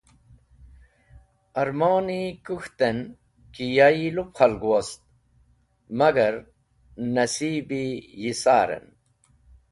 Ẽrmoni kũk̃tẽn ki ya lup khalg wust magar nẽsib yi sarẽn